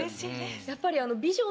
やっぱり。